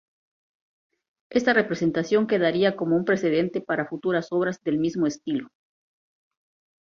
Esta representación quedaría como un precedente para futuras obras del mismo estilo.